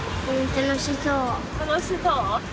楽しそう？